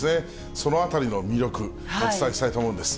そのあたりの魅力、お伝えしたいと思うんです。